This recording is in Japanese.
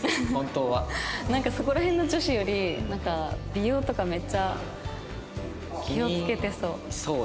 なんかそこら辺の女子よりなんか美容とかめっちゃ気を付けてそう。